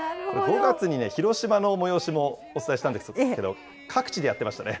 ５月に広島の催しもお伝えしたんですけど、各地でやってましたね。